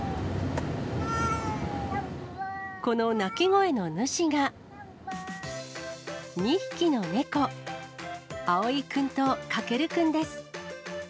この鳴き声の主が、２匹の猫、蒼くんと架くんです。